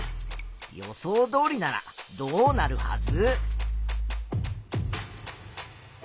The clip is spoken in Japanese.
予想どおりならどうなるはず？